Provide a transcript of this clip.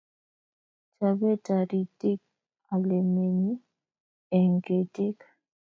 Chobe taritik olemenye eng ketik